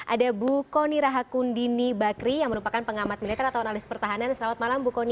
ada bu kony rahakundini bakri yang merupakan pengamat militer atau analis pertahanan selamat malam bu kony